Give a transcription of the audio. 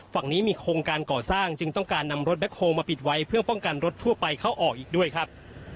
ฝั่งนี้มีโครงการก่อสร้างจึงต้องการนำรถแคคโฮลมาปิดไว้เพื่อป้องกันรถทั่วไปเข้าออกอีกด้วยครับ